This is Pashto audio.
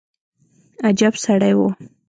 عجب سړى و.